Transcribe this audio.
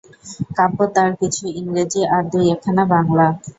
কাব্য, তার কিছু ইংরেজি, আর দুই-একখানা বাংলা।